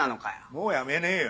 もう辞めねえよ。